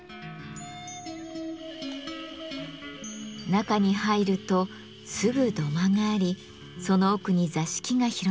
中に入るとすぐ土間がありその奥に座敷が広がっています。